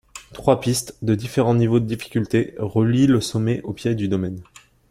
Trois pistes, de différents niveaux de difficulté, relient le sommet au pied du domaine.